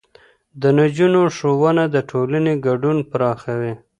د نجونو ښوونه د ټولنې ګډون پراخوي.